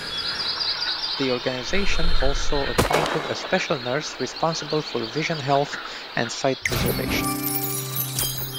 The organization also appointed a special nurse responsible for vision health and sight preservation.